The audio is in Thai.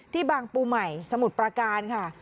บางปูใหม่สมุทรประการค่ะ